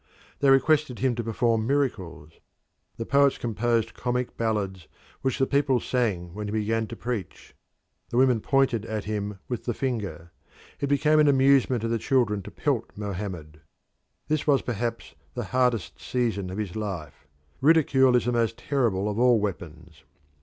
They requested him to perform miracles; the poets composed comic ballads which the people sang when he began to preach; the women pointed at him with the finger; it became an amusement of the children to pelt Mohammed. This was perhaps the hardest season of his life ridicule is the most terrible of all weapons.